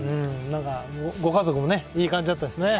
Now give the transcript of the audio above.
ご家族もいい感じだったですね。